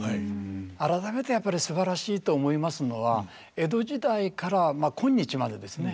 改めてやっぱりすばらしいと思いますのは江戸時代からまあ今日までですね